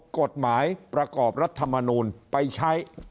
กฎหมายประกอบรัฐมนูลไปใช้